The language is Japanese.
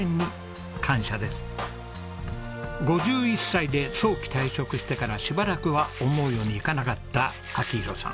５１歳で早期退職してからしばらくは思うようにいかなかった明宏さん。